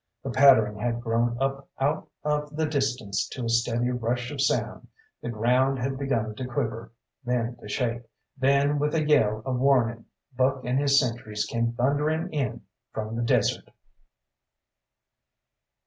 The pattering had grown up out of the distance to a steady rush of sound, the ground had begun to quiver, then to shake, then with a yell of warning, Buck and his sentries came thundering in from the desert.